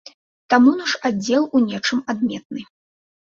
Таму наш аддзел у нечым адметны.